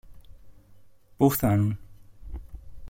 Πού φθάνουν;